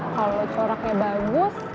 kalau coraknya bagus